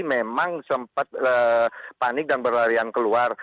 memang sempat panik dan berlarian keluar